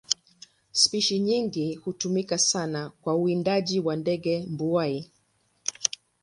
Spishi nyingine hutumika sana kwa uwindaji kwa ndege mbuai.